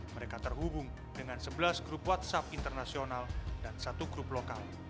mereka terhubung dengan sebelas grup whatsapp internasional dan satu grup lokal